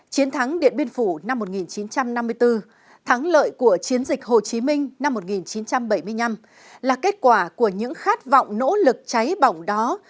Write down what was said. chiến thắng điện biên phủ năm một nghìn chín trăm năm mươi bốn thắng lợi của chiến dịch hồ chí minh năm một nghìn chín trăm bảy mươi năm là kết quả của những khát vọng nỗ lực cháy bỏng đó